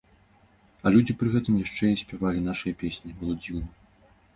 А людзі пры гэтым яшчэ і спявалі нашы песні, было дзіўна.